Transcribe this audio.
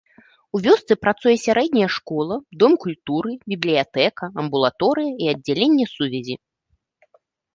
У вёсцы працуе сярэдняя школа, дом культуры, бібліятэка, амбулаторыя і аддзяленне сувязі.